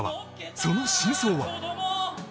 その真相は？